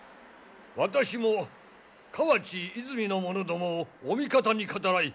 私も河内和泉の者どもをお味方に語らい